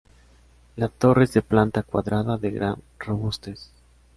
La torre es de planta cuadrada de gran robustez.